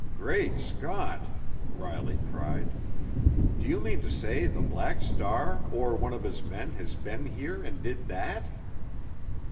"Great Scott!" Riley cried. "Do you mean to say the Black Star or one of his men has been here and did that?"